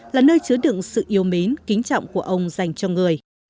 là nơi chứa đựng sự yêu mến kính trọng của ông dành cho người